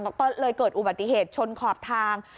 ก็เลยเกิดอุบัติเหตุชนขอบทาง